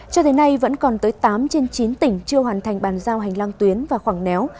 cho tới nay vẫn còn tới tám trên chín tỉnh chưa hoàn thành bàn giao hành lang tuyến và khoảng néo